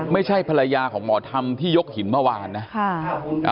ไม่ใช่ภรรยาของหมอธรรมที่ยกหินเมื่อวานนะ